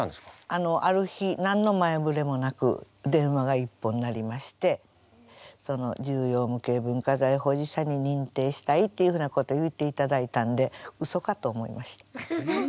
あのある日何の前触れもなく電話が一本鳴りまして重要無形文化財保持者に認定したいっていうふうなことを言うていただいたんでうそかと思いました。